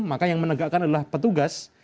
maka yang menegakkan adalah petugas